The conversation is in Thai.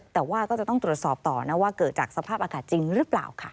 แต่ว่าก็จะต้องตรวจสอบต่อนะว่าเกิดจากสภาพอากาศจริงหรือเปล่าค่ะ